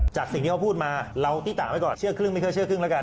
สิ่งที่เขาพูดมาเราตีตะไว้ก่อนเชื่อครึ่งไม่ค่อยเชื่อครึ่งแล้วกัน